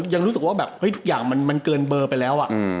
ยังรู้สึกว่าแบบเฮ้ยทุกอย่างมันเกินเบอร์ไปแล้ว